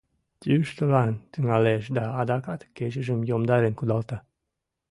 Йӱштылаш тӱҥалеш да адакат кечыжым йомдарен кудалта.